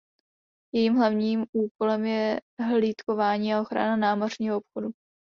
Jejich hlavním úkolem je hlídkování a ochrana námořního obchodu.